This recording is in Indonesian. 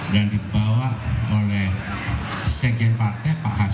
dan dibawa oleh sekretaris static